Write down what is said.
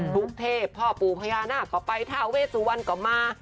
พวกเทพพ่อปู่พญานาฬขอไปทาเวตสู่วันกลับมา